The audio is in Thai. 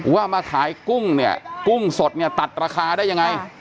ว่ามาขายกุ้งเนี่ยกุ้งสดเนี่ยตัดราคาได้ยังไง